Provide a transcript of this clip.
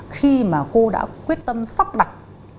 khi mà cô đã quyết tâm sắp đặt